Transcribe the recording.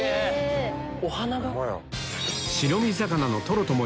お花が！